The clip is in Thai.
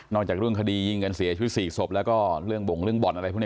จากเรื่องคดียิงกันเสียชีวิต๔ศพแล้วก็เรื่องบ่งเรื่องบ่อนอะไรพวกนี้